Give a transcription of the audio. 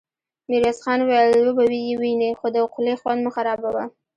ميرويس خان وويل: وبه يې وينې، خو د خولې خوند مه خرابوه!